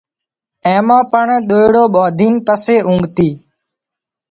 اين مان پڻ ۮئيڙو ٻانڌين پسي اونگتي